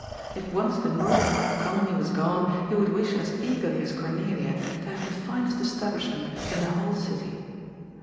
If once the motive for economy was gone, he would wish as eagerly as Cornelia to have the finest establishment in the whole city.